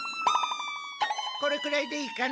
これくらいでいいかな？